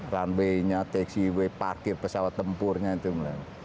runway nya taxiway parkir pesawat tempurnya itu